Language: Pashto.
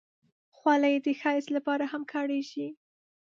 خولۍ د ښایست لپاره هم کارېږي.